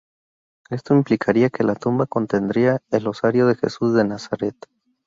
Esto implicaría que la tumba contendría el osario de Jesús de Nazaret.